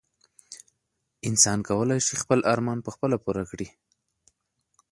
انسان کولای شي خپل ارمان په خپله پوره کړي.